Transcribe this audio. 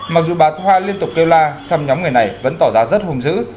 mặc dù bà thoa liên tục kêu la xăm nhóm người này vẫn tỏ ra rất hùng dữ